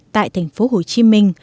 tại thành phố hồ chí minh